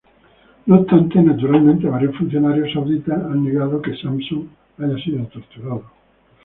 No obstante, naturalmente varios funcionarios sauditas han negado que Sampson haya sido torturado.